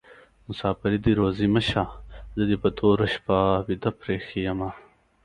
مسافري دي روزي مشه: زه دي په توره شپه ويده پریښي يمه